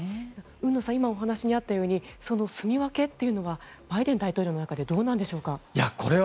海野さんその住み分けというのはバイデン大統領の中でどうなんでしょうか？